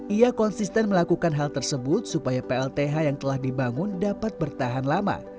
ia konsisten melakukan hal tersebut supaya plth yang telah dibangun dapat bertahan lama